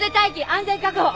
安全確保！